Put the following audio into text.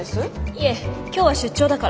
いえ今日は出張だから。